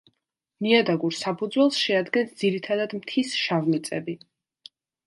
ნიადაგურ საფუძველს შეადგენს ძირითადად მთის შავმიწები.